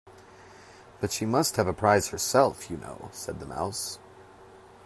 ‘But she must have a prize herself, you know,’ said the Mouse.